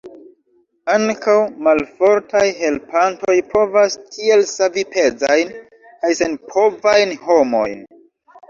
Ankaŭ malfortaj helpantoj povas tiel savi pezajn kaj senpovajn homojn.